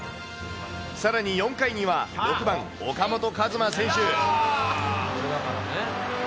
さらに４回には、６番岡本和真選手。